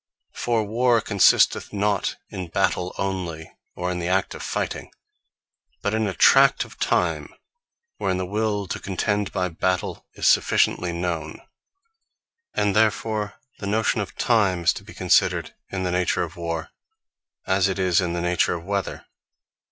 For WARRE, consisteth not in Battell onely, or the act of fighting; but in a tract of time, wherein the Will to contend by Battell is sufficiently known: and therefore the notion of Time, is to be considered in the nature of Warre; as it is in the nature of Weather.